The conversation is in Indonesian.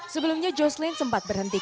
sebelumnya jocelyn sempat berhentikan